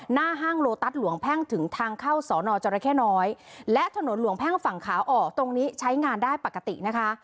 ห้างโลตัสหลวงแพ่งถึงทางเข้าสอนอจรเข้น้อยและถนนหลวงแพ่งฝั่งขาออกตรงนี้ใช้งานได้ปกตินะคะ